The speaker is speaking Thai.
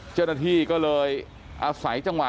เจ้าหน้าที่ก็เลยอาศัยจังหวะ